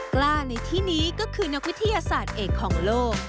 กล้าในที่นี้ก็คือนักวิทยาศาสตร์เอกของโลก